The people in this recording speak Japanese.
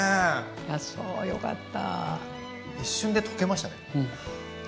あそうよかった。